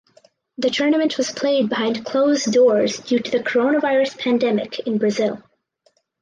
The tournament was played behind closed doors due to the coronavirus pandemic in Brazil.